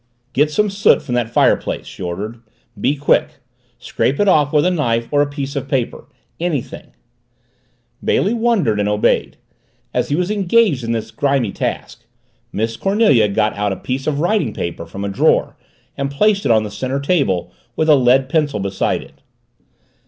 "Get some soot from that fireplace," she ordered. "Be quick. Scrape it off with a knife or a piece of paper. Anything." Bailey wondered and obeyed. As he was engaged in his grimy task, Miss Cornelia got out a piece of writing paper from a drawer and placed it on the center table, with a lead pencil beside it.